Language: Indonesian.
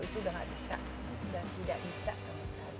sudah tidak bisa sama sekali